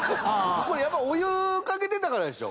これやっぱお湯かけてたからでしょ？